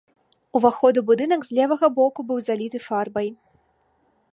Уваход у будынак з левага боку быў заліты фарбай.